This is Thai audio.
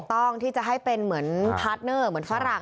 ต้องที่จะให้เป็นเหมือนพาร์ทเนอร์เหมือนฝรั่ง